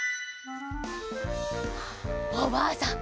おばあさん